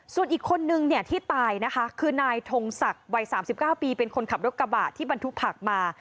ส่วนอีกคนนึงเนี่ยที่ตายนะคะคือนายทงศักดิ์วัย๓๙ปีเป็นคนขับรถกระบะที่บรรทุกผักมา